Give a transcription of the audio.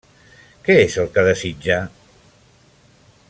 Que és el que desitja?